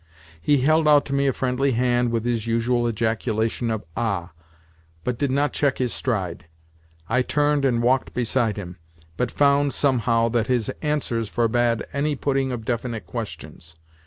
He held out to me a friendly hand, with his usual ejaculation of "Ah!" but did not check his stride. I turned and walked beside him, but found, somehow, that his answers forbade any putting of definite questions.